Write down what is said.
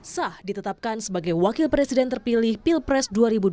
sah ditetapkan sebagai wakil presiden terpilih pilpres dua ribu dua puluh